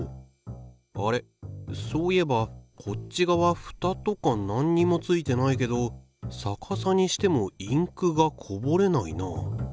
あれそういえばこっち側ふたとかなんにもついてないけど逆さにしてもインクがこぼれないなあ。